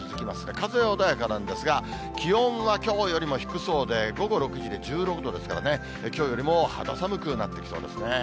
風は穏やかなんですが、気温はきょうよりも低そうで、午後６時で１６度ですからね、きょうよりも肌寒くなってきそうですね。